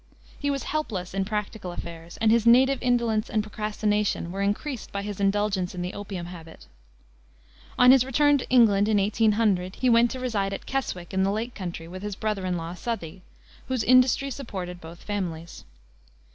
He was helpless in practical affairs, and his native indolence and procrastination were increased by his indulgence in the opium habit. On his return to England, in 1800, he went to reside at Keswick, in the Lake Country, with his brother in law, Southey, whose industry supported both families.